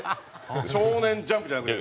『少年ジャンプ』じゃなくて。